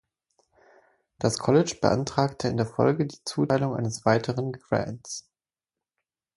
Das College beantragte in der Folge die Zuteilung eines weiteren Grants.